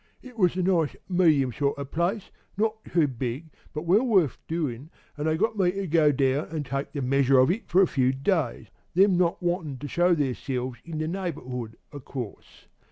'It was a nice medium sort o' place, not too big, but well worth doin', an' they got me to go down an' take the measure of it for a few days, them not wantin' to show theirselves in the neighbourhood, o' course.